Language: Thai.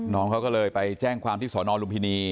น้องเขาก็เลยไปแจ้งความที่สอนอลุมพินี